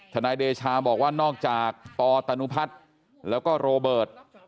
นายเดชาบอกว่านอกจากปตนุพัฒน์แล้วก็โรเบิร์ต